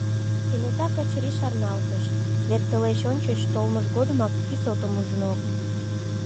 Кенета Качырий шарналтыш: вет тылеч ончыч толмыж годымак кӱсотым ужын огыл.